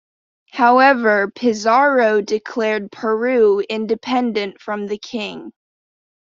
However, Pizarro declared Peru independent from the King.